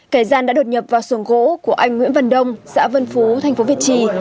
cải gian đã đột nhập vào sườn gỗ của anh nguyễn văn đông xã vân phú thành phố việt trì